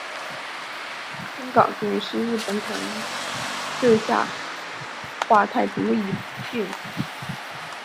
真冈郡是日本统治下桦太厅的一郡。